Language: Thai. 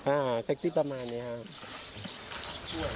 เซ็กซิประมาณนี้ครับ